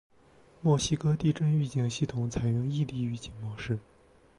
墨西哥地震预警系统采用异地预警模式。